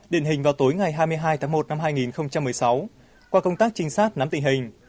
điển hình vào tối ngày hai mươi hai tháng một năm hai nghìn một mươi sáu qua công tác trinh sát nắm tình hình